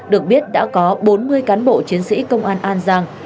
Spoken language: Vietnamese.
được biết đã có bốn mươi cán bộ chiến sĩ công an an giang